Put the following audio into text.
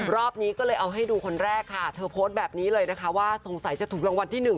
รอบนี้ก็เลยเอาให้ดูคนแรกค่ะเธอโพสต์แบบนี้เลยนะคะว่าสงสัยจะถูกรางวัลที่หนึ่ง